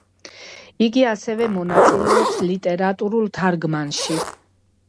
იგი ასევე მონაწილეობს ლიტერატურულ თარგმანში.